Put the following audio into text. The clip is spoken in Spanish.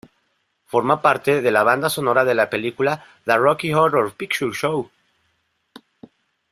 Forma parte de la banda sonora de la película "The Rocky Horror Picture Show".